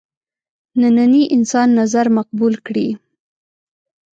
ننني انسان نظر مقبول کړي.